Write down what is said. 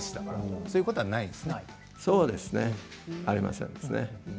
そうですね、ありませんね。